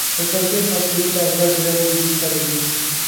د کلسیم فاسفیټونه او ګچ غیر عضوي سرې دي.